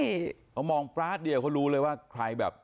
อย่างนึงร้อยเป็นกราศเดียวเขารู้เลยว่า